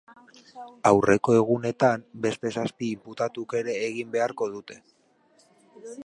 Aurreko egunetan, beste zazpi inputatuk ere egin beharko dute.